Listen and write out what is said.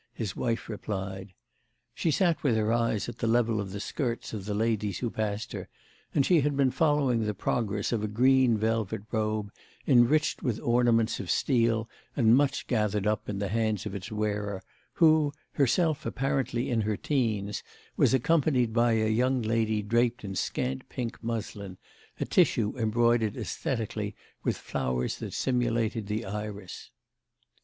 his wife replied. She sat with her eyes at the level of the skirts of the ladies who passed her, and she had been following the progress of a green velvet robe enriched with ornaments of steel and much gathered up in the hands of its wearer, who, herself apparently in her teens, was accompanied by a young lady draped in scant pink muslin, a tissue embroidered esthetically with flowers that simulated the iris.